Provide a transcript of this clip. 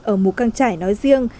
ở mù căng trải nói riêng